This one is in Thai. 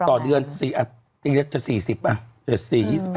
ต่อเดือนจริงจะ๔๐อ่ะ